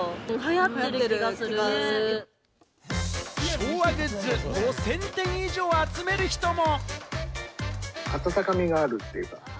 昭和グッズ５０００点以上を集める人も。